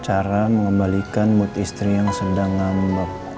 cara mengembalikan mood istri yang sedang ngambak